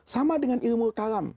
sama dengan ilmu kalam